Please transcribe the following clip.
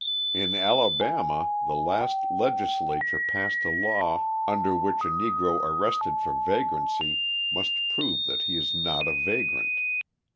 In Alabama the last legislature passed a law under which a Negro arrested for vagrancy must prove that he is not a vagrant.